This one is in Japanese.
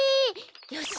よし！